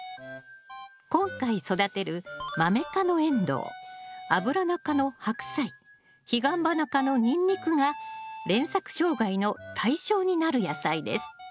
今回育てるマメ科のエンドウアブラナ科のハクサイヒガンバナ科のニンニクが連作障害の対象になる野菜です